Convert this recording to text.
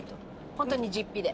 ホントに実費で。